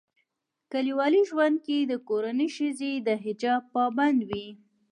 کلیوالي ژوندکي دکورنۍښځي دحجاب پابند وي